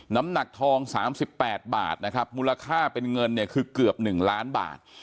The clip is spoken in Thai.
น้ำหนักทอง๓๘บาทนะครับมูลค่าเป็นเงินเนี่ยคือเกือบ๑ล้านบาท